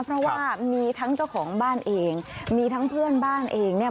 เพราะว่ามีทั้งเจ้าของบ้านเองมีทั้งเพื่อนบ้านเองเนี่ย